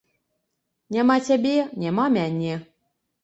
Няма цябе, няма мяне.